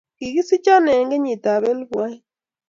Kigisicho eng kenyitab elbu aeng